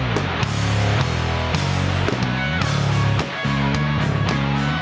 mana semua wajah jakarta